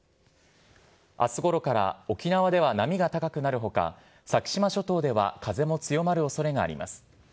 あすごろから沖縄では波が高くなるほか、先島諸島では風も強まるおそれがあります。